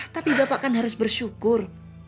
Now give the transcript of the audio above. tapi bapak kan harus bersyukur